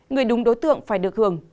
người đúng đối tượng phải được hưởng